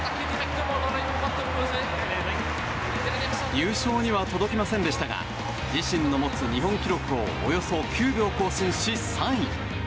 優勝には届きませんでしたが自身の持つ日本記録をおよそ９秒更新し、３位。